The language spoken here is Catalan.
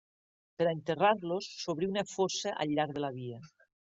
Per a enterrar-los, s'obrí una fossa al llarg de la via.